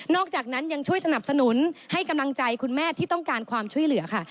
อกจากนั้นยังช่วยสนับสนุนให้กำลังใจคุณแม่ที่ต้องการความช่วยเหลือค่ะ